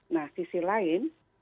nah sisi lain